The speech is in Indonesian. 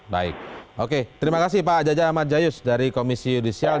baik oke terima kasih pak jaja ahmad jayus dari komisi yudisial